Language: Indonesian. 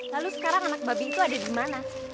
lalu sekarang anak babi itu ada di mana